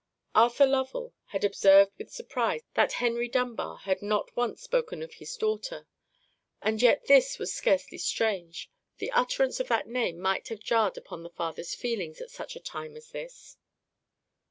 Arthur Lovell had observed with surprise that Henry Dunbar had not once spoken of his daughter. And yet this was scarcely strange; the utterance of that name might have jarred upon the father's feelings at such a time as this.